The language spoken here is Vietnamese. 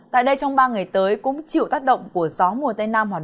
tại đây trong ba ngày tới cũng chịu tác động của gió mùa tây nam